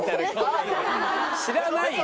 知らないよ。